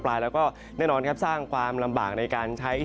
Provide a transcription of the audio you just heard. แล้วก็แน่นอนสร้างความลำบากในการใช้ชีวิต